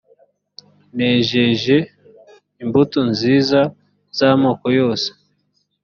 nejeje imbuto nziza z’amoko yose